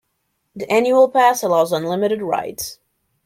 The annual pass allows unlimited rides.